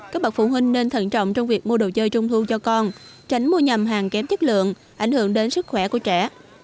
các bậc phụ huynh nên thận trọng trong việc mua đồ chơi trung thu cho con tránh mua nhầm hàng kém chất lượng ảnh hưởng đến sức khỏe của trẻ